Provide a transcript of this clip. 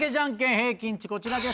平均値こちらです